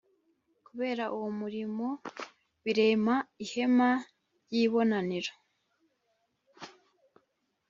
Kubera uwo murimo barema ihema ry’ibonaniro